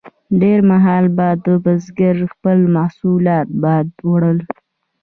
ډیر مهال به د بزګر خپل محصولات باد وړل.